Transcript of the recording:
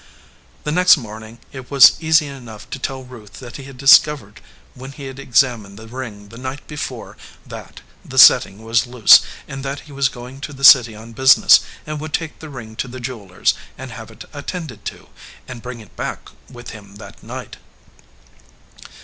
The next morning it was easy enough to tell Ruth that he had discovered when he had exam ined the ring the night before that the setting was loose, and that he was going to the city on business, and would take the ring to the jeweler s and have it attended to, and bring it back with him that night.